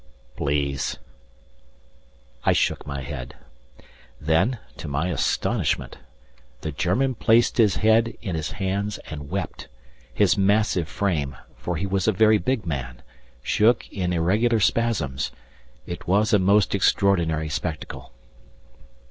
"Please." I shook my head, then, to my astonishment, the German placed his head in his hands and wept, his massive frame (for he was a very big man) shook in irregular spasms; it was a most extraordinary spectacle.